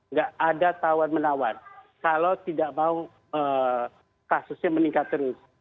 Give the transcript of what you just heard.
nggak ada tawar menawar kalau tidak mau kasusnya meningkat terus